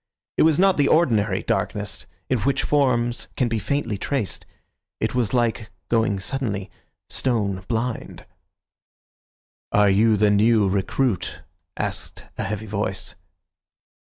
It was not the ordinary darkness, in which forms can be faintly traced; it was like going suddenly stone blind. "Are you the new recruit?" asked a heavy voice.